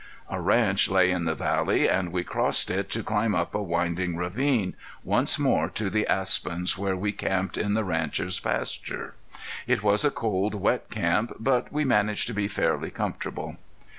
A ranch lay in the valley, and we crossed it to climb up a winding ravine, once more to the aspens where we camped in the rancher's pasture. It was a cold, wet camp, but we managed to be fairly comfortable.